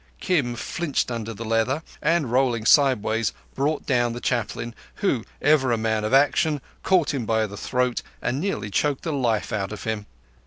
Kim flinched under the leather, and, rolling sideways, brought down the Chaplain, who, ever a man of action, caught him by the throat and nearly choked the life out of him.